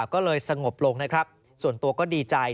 ก็เลยสงบลงนะครับส่วนตัวก็ดีใจ